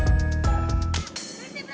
hendak apa keadaan ini ya